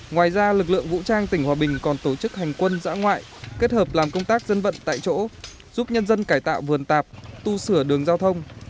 ngoài ra lực lượng vũ trang tỉnh hòa bình còn tổ chức hành quân giã ngoại kết hợp làm công tác dân vận tại chỗ giúp nhân dân cải tạo vườn tạp tu sửa đường giao thông